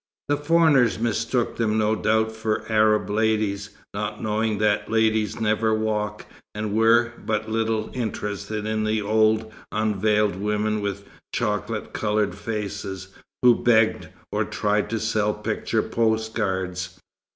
The foreigners mistook them no doubt for Arab ladies, not knowing that ladies never walk; and were but little interested in the old, unveiled women with chocolate coloured faces, who begged, or tried to sell picture postcards.